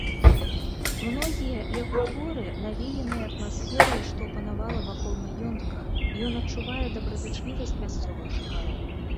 Многія яго творы навеяныя атмасферай, што панавала вакол маёнтка, ён адчувае добразычлівасць мясцовых жыхароў.